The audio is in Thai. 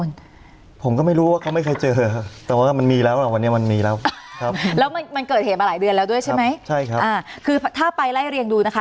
แล้วด้วยใช่ไหมใช่ครับอ่าคือถ้าไปไล่เรียงดูนะคะ